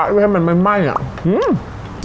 ที่จะให้มันไม่ไหม้